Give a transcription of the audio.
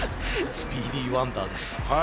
スピーディー・ワンダーです。